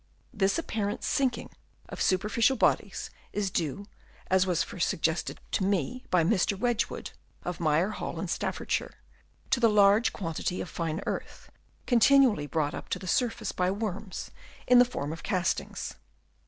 This apparent sinking of superficial bodies is due, as was first suggested to me by Mr. Wedgwood of Maer Hall in Staffordshire, to the large quantity of fine earth continually brought up to the surface by worms in the form of castings.